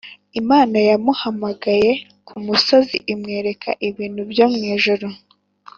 Imana yamuhamagaye ku musozi imwereka ibintu byo mu ijuru